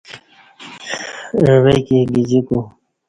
عوہ کی گجیکو